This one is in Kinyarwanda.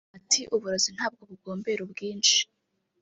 Ati“Uburozi ntabwo bugombera ubwinshi